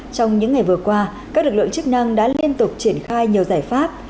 trong những ngày vừa qua các lực lượng chức năng đã liên tục triển khai nhiều giải pháp